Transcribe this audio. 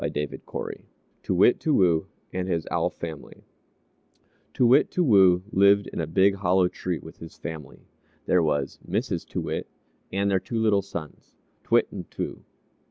TOO WIT, TOO WOO AND HIS OWL FAMILY Too Wit, Too Woo lived in a big hollow tree with his family. There was Mrs. Too Wit, and their two little sons, T'wit and T'woo.